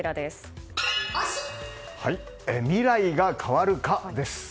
未来変わるか？です。